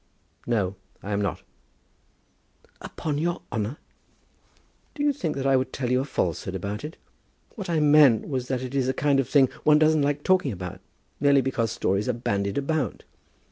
"No; I am not." "Upon your honour?" "Do you think that I would tell you a falsehood about it? What I meant was that it is a kind of thing one doesn't like talking about, merely because stories are bandied about.